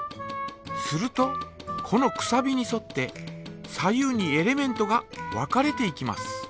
するとこのくさびにそって左右にエレメントが分かれていきます。